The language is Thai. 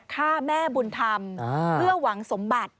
ฆ่าแม่บุญธรรมเพื่อหวังสมบัติ